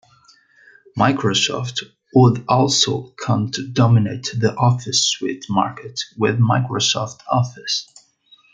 Microsoft would also come to dominate the office suite market with Microsoft Office.